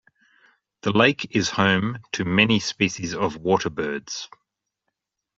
The lake is home to many species of waterbirds.